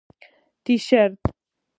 👕 تیشرت